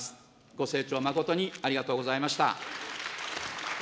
ご清聴、誠にありがとうございました。